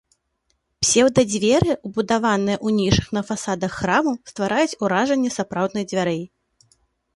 Псеўда-дзверы, убудаваныя ў нішы на фасадах храмаў, ствараюць уражанне сапраўдных дзвярэй.